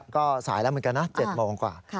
ก็สายแล้วเหมือนกันนะ๗โมงกว่า